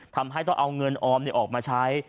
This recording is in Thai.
ทำให้ต้องเอาเงินออมออกมาใช้